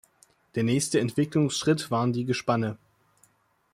Der nächste Entwicklungsschritt waren die Gespanne.